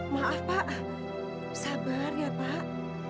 maaf pak sabar ya pak